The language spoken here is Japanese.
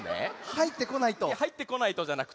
「はいってこないと」じゃなくて。